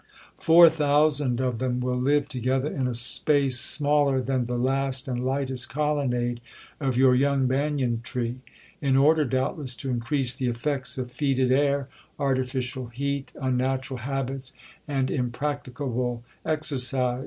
Four thousand of them will live together in a space smaller than the last and lightest colonnade of your young banyan tree, in order, doubtless, to increase the effects of foetid air, artificial heat, unnatural habits, and impracticable exercise.